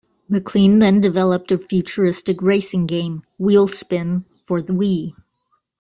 MacLean then developed a futuristic racing game, "WheelSpin", for the Wii.